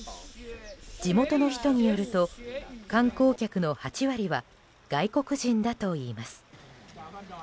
地元の人によると観光客の８割は外国人だといいます。